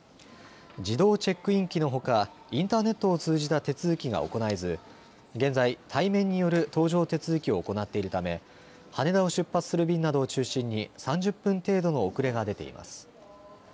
自動チェックイン機のほかインターネットを通じた手続きが行えず現在、対面による搭乗手続きを行っているため羽田を出発する便などを中心に３０分程度の遅れが出ています。